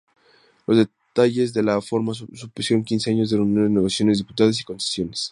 Los detalles de la reforma supusieron quince años de reuniones, negociaciones, disputas y concesiones.